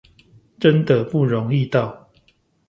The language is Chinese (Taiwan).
真的不容易到